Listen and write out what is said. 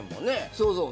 そうそう。